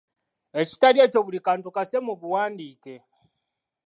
Ekitali ekyo, buli kantu kasse mu buwandiike.